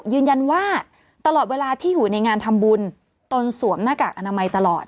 ยืนยันตลอดเวลาที่อยู่ในงานทำบุญตนสวมหน้ากากอนามัยตลอด